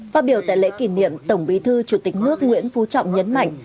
phát biểu tại lễ kỷ niệm tổng bí thư chủ tịch nước nguyễn phú trọng nhấn mạnh